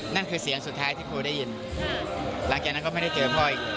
นั่นคือเสียงสุดท้ายที่ครูได้ยินหลังจากนั้นก็ไม่ได้เจอพ่ออีก